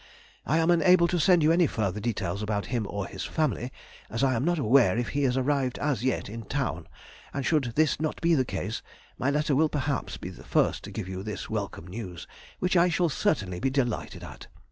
I am unable to send you any further details about him or his family, as I am not aware if he is arrived as yet in town, and should this not be the case, my letter will perhaps be the first to give you this welcome news, which I shall certainly be delighted at.